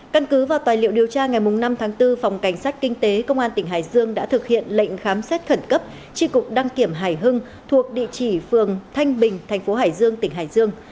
căn cứ vào tài liệu điều tra ngày năm tháng bốn phòng cảnh sát kinh tế công an tỉnh hải dương đã thực hiện lệnh khám xét khẩn cấp tri cục đăng kiểm hải hưng thuộc địa chỉ phường thanh bình thành phố hải dương tỉnh hải dương